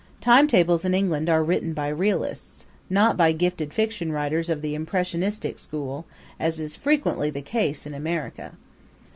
Timetables in England are written by realists, not by gifted fiction writers of the impressionistic school, as is frequently the case in America.